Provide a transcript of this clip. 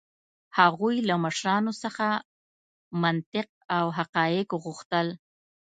هغوی له مشرانو څخه منطق او حقایق غوښتل.